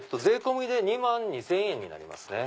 税込み２万２０００円になります。